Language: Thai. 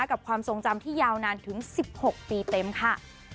ความทรงจำที่ยาวนานถึง๑๖ปีเต็มค่ะ